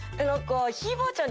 ひいばあちゃん